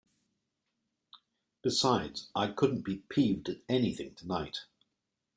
Besides, I couldn't be peeved at anything tonight.